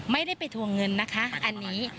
ไม่ได้ไปทวงเงินนะคะอันนี้